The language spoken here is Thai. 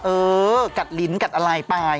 เอ่อกัดลิ้นกัดลายปลาย